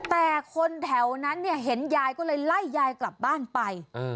แต่คนแถวนั้นเนี่ยเห็นยายก็เลยไล่ยายกลับบ้านไป